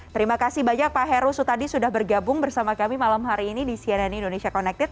terima kasih banyak pak heru sutadi sudah bergabung bersama kami malam hari ini di cnn indonesia connected